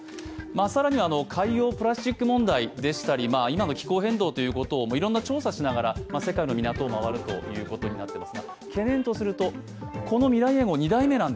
更に、海洋プラスチック問題でしたり今の気候変動をいろいろ調査しながら世界の港を回ることになっています。